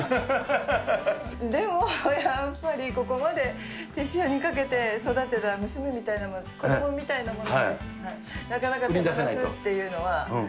でも、やっぱりここまで手塩にかけて育てた娘みたいな、子どもみたいなものなので、なかなか手放すというのは。